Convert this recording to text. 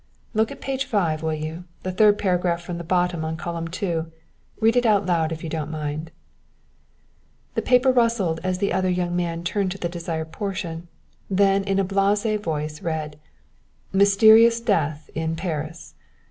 "Look at page five, will you, the third paragraph from the bottom on column two. Read it out loud if you don't mind." The paper rustled as the other young man turned to the desired portion, then in a blasé voice read: "MYSTERIOUS DEATH IN PARIS.